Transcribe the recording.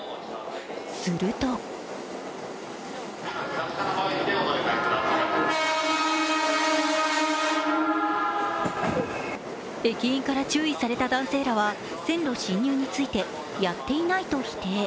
すると駅員から注意された男性らは線路侵入について、やっていないと否定。